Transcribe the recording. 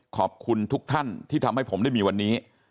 ขอบคุณทุกท่านที่ทำให้ผมได้มีวันนี้